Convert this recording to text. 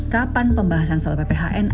kapan pembahasan soal pphn